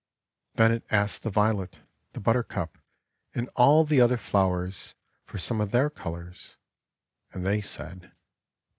Then it asked the Violet, the Buttercup, and all the other flowers for some of their colours, and they said "No."